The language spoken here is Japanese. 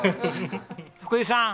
福井さん